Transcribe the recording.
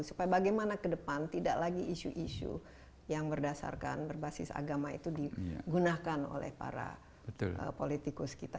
supaya bagaimana ke depan tidak lagi isu isu yang berdasarkan berbasis agama itu digunakan oleh para politikus kita